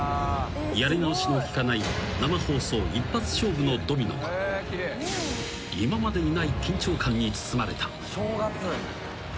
［やり直しの利かない生放送一発勝負のドミノは今までにない緊張感に包まれた］